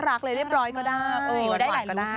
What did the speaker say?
พักเลยเรียบร้อยก็ได้